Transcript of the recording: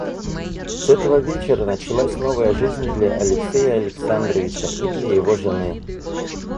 С этого вечера началась новая жизнь для Алексея Александровича и для его жены.